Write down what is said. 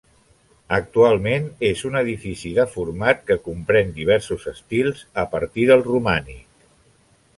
Actualment és un edifici deformat que compren diversos estils a partir del romànic.